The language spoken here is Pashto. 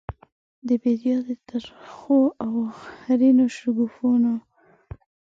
د بیدیا د ترخو او غرنیو شګوفو،